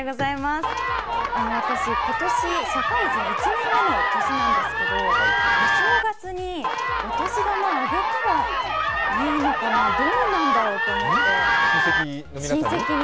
私、今年社会人１年目の年なんですけど、お正月にお年玉あげたらいいのかな、どうなんだろうと思って、親戚に。